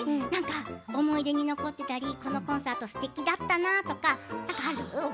思い出に残ったりこのコンサートすてきだったなということがある？